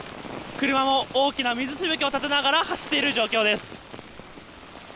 車も大きな水しぶきを立てながら走っている状況です。